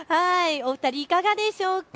お二人、いかがでしょうか。